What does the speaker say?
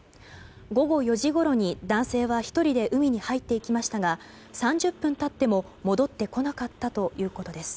午後４時ごろに男性は１人で海に入っていきましたが３０分経っても戻ってこなかったということです。